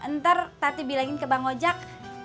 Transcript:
ntar tati bilangin ke bang ojek